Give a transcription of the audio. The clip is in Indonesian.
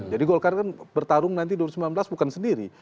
jadi golkar kan bertarung nanti dua ribu sembilan belas bukan sendiri